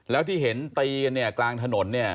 แล้วที่เห็นตรีกันในกลางถนน